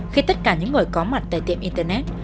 khi tất cả những người có mặt tại tiệm internet